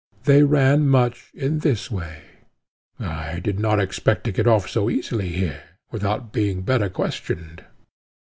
They ran much in this way; "I did not expect to get off so easily here, without being better questioned.